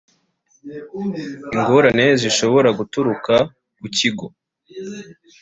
ingorane zishobora guturuka ku kigo